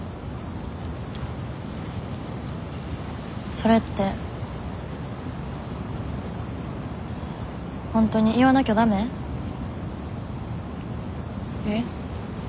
それって本当に言わなきゃダメ？え？